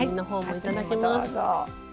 いただきます。